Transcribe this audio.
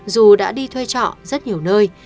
dù đã đi thuê trọ rất nhiều nơi